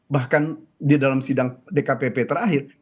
bahkan di dalam sidang dkpp terakhir